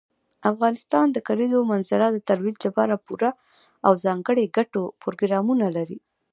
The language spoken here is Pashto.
افغانستان د کلیزو منظره د ترویج لپاره پوره او ځانګړي ګټور پروګرامونه لري.